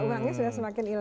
uangnya sudah semakin hilang